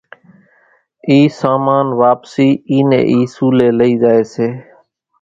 اِي سامان واپسي اي ني اِي سوليَ لئي زائي سي۔